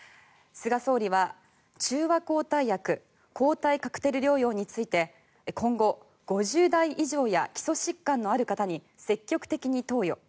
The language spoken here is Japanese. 菅総理は中和抗体薬抗体カクテル療法について今後、５０代以上や基礎疾患のある方に積極的に投与。